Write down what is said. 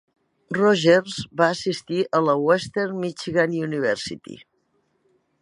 Rogers va assistir a la Western Michigan University.